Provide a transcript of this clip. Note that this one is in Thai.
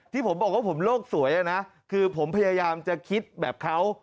ที่ผมบอกว่าผมโลกสวยนะคือผมพยายามจะคิดแบบเขา